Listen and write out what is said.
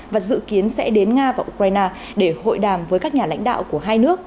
và dự kiến sẽ đến nga và ukraine để hội đàm với các nhà lãnh đạo của hai nước